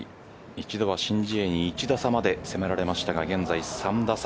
一度は申ジエに１打差まで迫られましたが現在３打差。